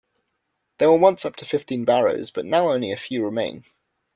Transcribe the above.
There were once up to fifteen barrows, but now only a few remain.